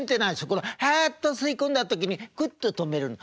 このハッと吸い込んだ時にクッと止めるの。